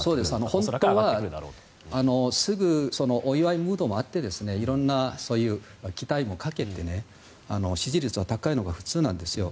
本当はすぐお祝いムードもあって色んな期待もかけて支持率は高いのが普通なんですよ。